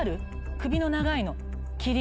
首の長いの。